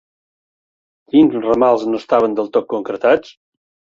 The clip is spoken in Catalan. Quins ramals no estaven del tot concretats?